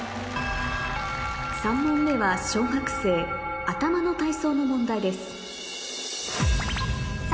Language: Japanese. ３問目は小学生頭の体操の問題です